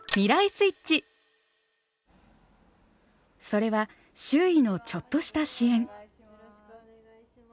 それは周囲のちょっとした支援。